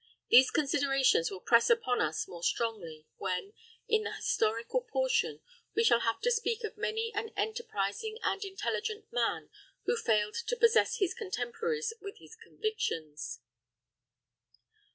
These considerations will press upon us more strongly when, in the historical portion, we shall have to speak of many an enterprising and intelligent man who failed to possess his contemporaries with his convictions.